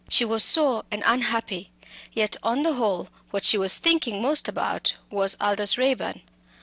She was sore and unhappy; yet, on the whole, what she was thinking most about was Aldous Raeburn.